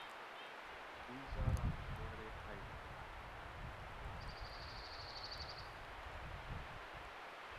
These are of moderate height.